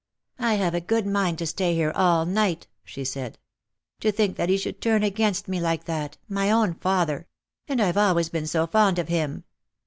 " I have a good mind to stay here all night," she said. " To think that he should turn against me like that — my own father ! And I've always been so fond of him